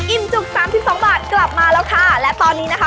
อิ่มจุก๓๒บาทกลับมาแล้วค่ะ